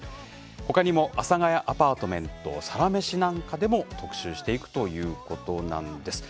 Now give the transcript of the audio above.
ほかにも「阿佐ヶ谷アパートメント」「サラメシ」なんかでも特集していくということなんです。